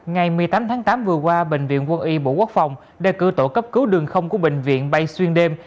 ngày một mươi tám tháng tám vừa qua bệnh viện quân y bộ quốc phòng đã cử tổ cấp cứu đường không của bệnh viện bay xuyên đêm